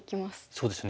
そうですね。